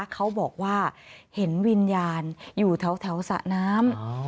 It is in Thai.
เขาบอกว่าเห็นวิญญาณอยู่แถวสระน้ำ